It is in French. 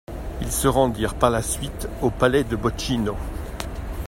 Ils se rendirent par la suite au palais de Bocchino.